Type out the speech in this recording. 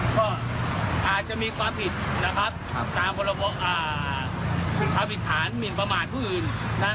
ก็อาจจะมีความผิดตามความผิดฐานมีประมาณผู้อื่น